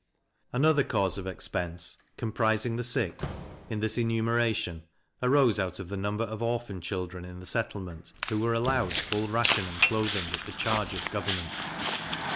Another cause of expense, comprising the 6th in this enumeration, arose out of the number of orphan children in the settlement, who were allowed full ration and clothing at the charge of government.